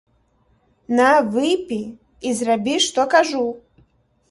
На выпі і зрабі, што кажу!